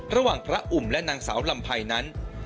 ระหว่างพระอุ่มและนางสาวลำไพรนั้น